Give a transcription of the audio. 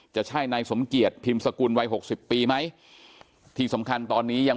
จะใช่นายสมเกียจพิมพ์สกุลวัยหกสิบปีไหมที่สำคัญตอนนี้ยัง